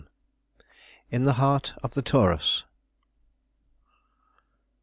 IN THE HEART OF THE TAURUS.